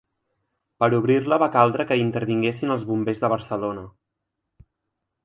Per obrir-la, va caldre que hi intervinguessin els bombers de Barcelona.